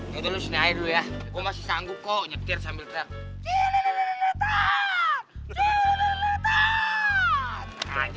ya dulu sini air dulu ya gue masih sanggup kok nyetir sambil terang